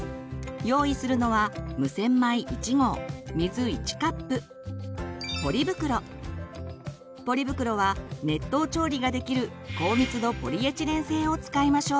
用意するのはポリ袋は熱湯調理ができる高密度ポリエチレン製を使いましょう。